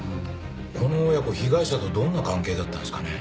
この親子被害者とどんな関係だったんですかね？